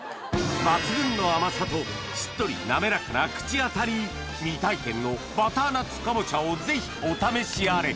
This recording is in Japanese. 抜群の甘さとしっとり滑らかな口当たり未体験のバターナッツかぼちゃをぜひお試しあれ